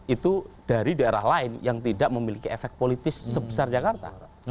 itu dari daerah lain yang tidak memiliki efek politis sebesar jakarta